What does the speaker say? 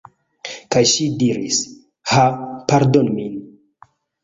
Kaj ŝi diris: "Ha, pardonu min."